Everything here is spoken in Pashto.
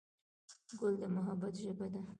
ګل د محبت ژبه ده.